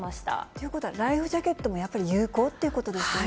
ということは、ライフジャケットもやっぱり有効ということですよね。